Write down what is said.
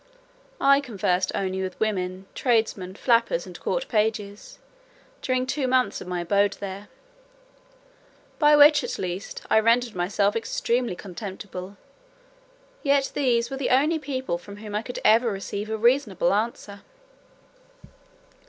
I conversed only with women, tradesmen, flappers, and court pages, during two months of my abode there; by which, at last, I rendered myself extremely contemptible; yet these were the only people from whom I could ever receive a reasonable answer.